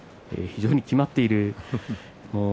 非常に決まっていますね。